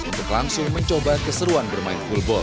untuk langsung mencoba keseruan bermain full ball